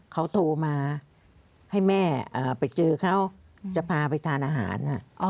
เขาโทรมาให้แม่ไปเจอเขาจะพาไปทานอาหาร